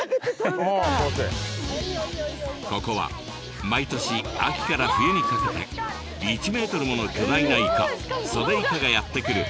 ここは毎年秋から冬にかけて１ｍもの巨大なイカソデイカがやって来る